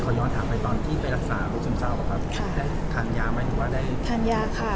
ขอย้อนถามไปตอนที่ไปรักษาคุณสุนเจ้าฟะครับ